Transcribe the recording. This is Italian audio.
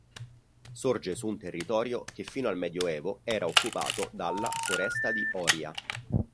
Sorge su un territorio che fino al Medioevo era occupato dalla "Foresta di Oria".